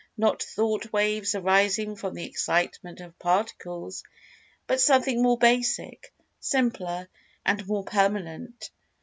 Not Thought waves arising from the Excitement of Particles, but Something more basic, simpler, and more permanent.